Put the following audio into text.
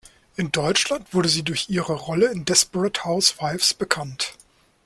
In Deutschland wurde sie durch ihre Rolle in Desperate Housewives bekannt.